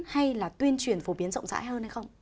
hay là tuyên truyền phổ biến rộng rãi hơn hay không